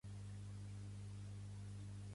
És, també, fill il·lustre de Mallorca.